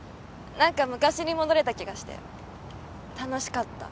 何か昔に戻れた気がして楽しかった。